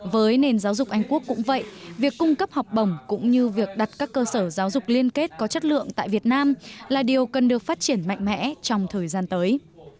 với nền giáo dục anh quốc cũng vậy việc cung cấp học bổng cũng như việc đặt các cơ sở giáo dục liên kết có chất lượng tại việt nam là điều cần được phát triển mạnh mẽ trong thời gian tới